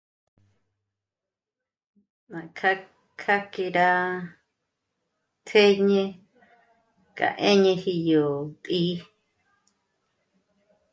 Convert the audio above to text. K'àk'i rá tjéjñe ká 'éñeji yo tí'i.